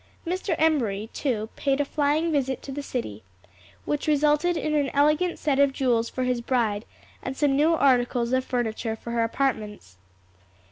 Mr. Embury, too, paid a flying visit to the city, which resulted in an elegant set of jewels for his bride and some new articles of furniture for her apartments.